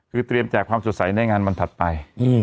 คือเตรียมแจกความสดใสในงานวันถัดไป